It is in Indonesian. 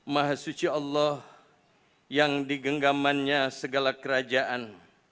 maha suci allah yang digenggamannya segala kerajaan